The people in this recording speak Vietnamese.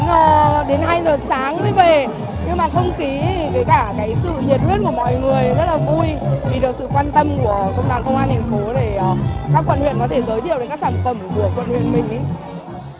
nhưng mà không ký với cả sự nhiệt huyết của mọi người rất là vui vì được sự quan tâm của công đoàn công an tp để các quận huyện có thể giới thiệu đến các sản phẩm của quận huyện mình